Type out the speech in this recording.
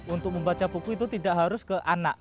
untuk membaca buku itu tidak harus ke anak